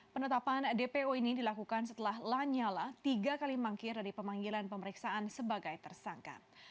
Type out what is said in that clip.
penetapan dpo ini dilakukan setelah lanyala tiga kali mangkir dari pemanggilan pemeriksaan sebagai tersangka